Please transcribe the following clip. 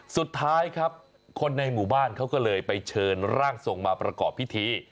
สุดท้ายครับคนในหมู่บ้านเขาก็เลยไปเชิญร่างทรงมาประกอบพิธี